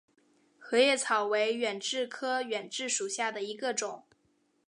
合叶草为远志科远志属下的一个种。